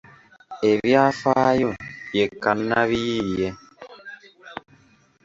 Ebyafaayo ye kannabiyiiye